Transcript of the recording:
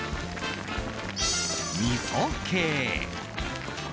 みそ系。